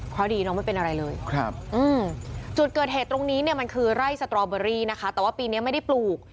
เพราะดีน้องไม่เป็นอะไรเลยครับจุดเกิดเหตุตรงนี้เนี่ยมันคือไร่สตรอเบอรี่นะคะแต่ว่าปีนี้ไม่ได้ปลูก